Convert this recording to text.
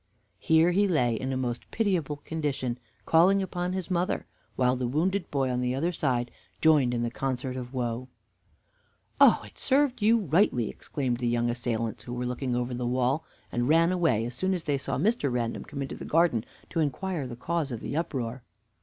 Here he lay in a most pitiable condition, calling upon his mother, while the wounded boy on the other side joined in the concert of woe. "Oh, it served you rightly!" exclaimed the young assailants, who were looking over the wall, and ran away as soon as they saw Mr. Random come into the garden to inquire the cause of the uproar.